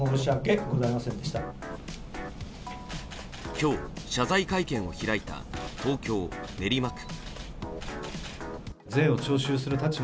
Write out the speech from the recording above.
今日、謝罪会見を開いた東京・練馬区。